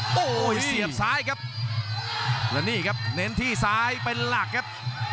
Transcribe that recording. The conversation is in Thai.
โอ้โหเสียบซ้ายครับแล้วนี่ครับเน้นที่ซ้ายเป็นหลักครับ